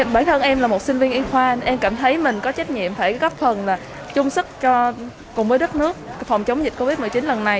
bản thân em là một sinh viên y khoa em cảm thấy mình có trách nhiệm phải góp phần là chung sức cùng với đất nước phòng chống dịch covid một mươi chín lần này